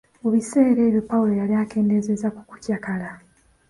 Mu bissera ebyo Pawulo yali akendeezeza mu kukyakala.